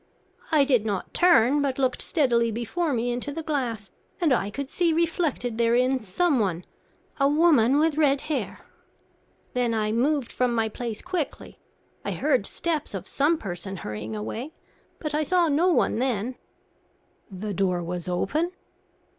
I did not turn, but looked steadily before me into the glass, and I could see reflected therein someone a woman with red hair. Then I moved from my place quickly. I heard steps of some person hurrying away, but I saw no one then." "The door was open?"